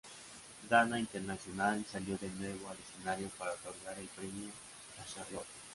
Dana International salió de nuevo al escenario para otorgar el premio a Charlotte.